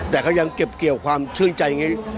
แต่เขายังเก็บเกี่ยวความชื่นใจ